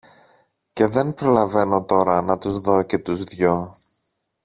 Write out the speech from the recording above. και δεν προλαβαίνω τώρα να τους δω και τους δύο